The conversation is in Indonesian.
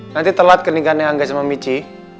nanti telat keninggan yang anggas sama michi